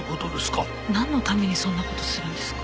なんのためにそんな事するんですか？